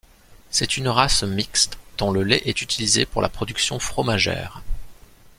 C'est une race mixte dont le lait est utilisé pour la production fromagère.